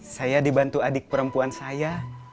saya dibantu adik perempuan saya